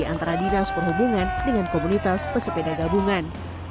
antara dinas perhubungan dengan komunitas pesepeda gabungan